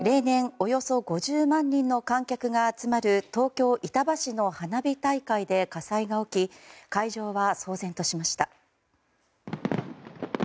およそ５０万人の観客が集まる東京・板橋の花火大会で火災が起き会場は騒然としました。